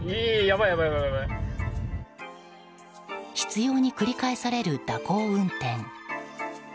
執拗に繰り返される蛇行運転。